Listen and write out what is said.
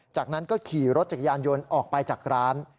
จากนั้นก็ขี่รถจักรยานยนต์ออกไปจากร้าน